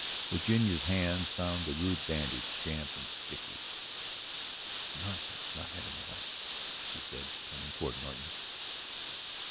Virginia's hands found the rude bandage, damp and sticky. "It's nonsense about not having a light," she said, turning toward Norton.